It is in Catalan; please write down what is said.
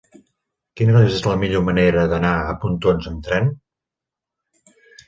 Quina és la millor manera d'anar a Pontons amb tren?